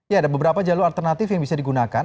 ya ada beberapa jalur alternatif yang bisa digunakan